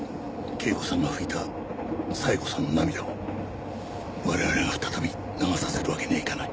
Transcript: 圭子さんが拭いた冴子さんの涙を我々が再び流させるわけにはいかない。